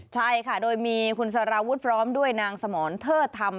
ใช่ค่ะโดยมีคุณสารวุฒิพร้อมด้วยนางสมรเทิดธรรม